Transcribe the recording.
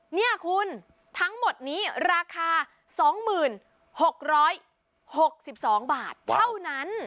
นี่คุณทั้งหมดนี้ราคา๒๖๖๒บาทเท่านั้น